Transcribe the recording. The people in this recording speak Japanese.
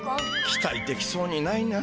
期待できそうにないな。